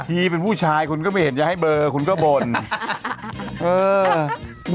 ทีเป็นผู้ชายคุณก็ไม่เห็นจะให้เบอร์คุณก็บ่น